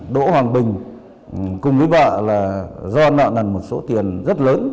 đỗ hoàng bình cùng với bà là do nợ nằm một số tiền rất lớn